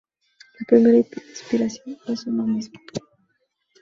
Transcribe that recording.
La primera inspiración es uno mismo.